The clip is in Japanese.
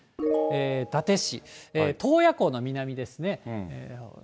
伊達市、洞爺湖の南ですね。